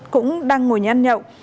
cũng đang ngồi nhăn nhộn